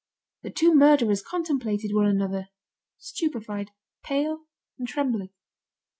The two murderers contemplated one another, stupefied, pale, and trembling.